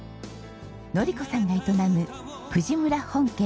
のり子さんが営む藤村本家